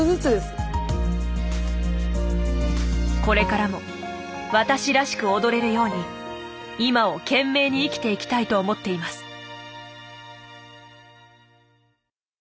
これからも私らしく踊れるように今を懸命に生きていきたいと思っています。